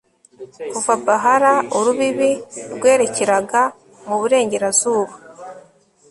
kuva bahala, urubibi rwerekeraga mu burengerazuba